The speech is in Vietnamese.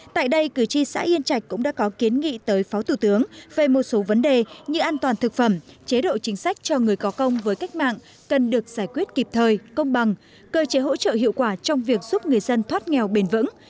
tại đây cử tri xã yên trạch cũng đã có kiến nghị tới phó thủ tướng về một số vấn đề như an toàn thực phẩm chế độ chính sách cho người có công với cách mạng cần được giải quyết kịp thời công bằng cơ chế hỗ trợ hiệu quả trong việc giúp người dân thoát nghèo bền vững